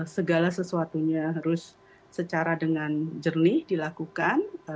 segala sesuatunya harus secara dengan jernih dilakukan